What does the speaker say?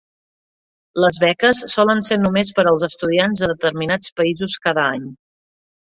Les beques solen ser només per als estudiants de determinats països cada any.